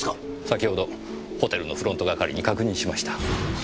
先程ホテルのフロント係に確認しました。